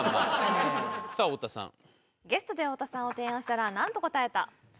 ゲストで太田さんを提案したらなんと答えた？